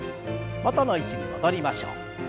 元の位置に戻りましょう。